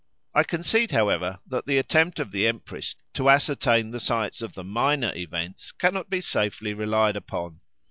I concede, however, that the attempt of the Empress to ascertain the sites of the minor events cannot be safely relied upon.